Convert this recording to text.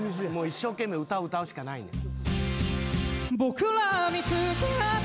一生懸命歌歌うしかないねん。